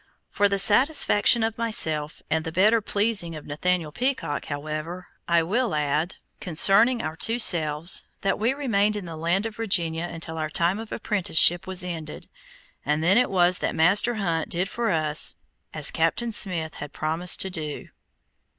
For the satisfaction of myself, and the better pleasing of Nathaniel Peacock, however, I will add, concerning our two selves, that we remained in the land of Virginia until our time of apprenticeship was ended, and then it was, that Master Hunt did for us as Captain Smith had promised to do.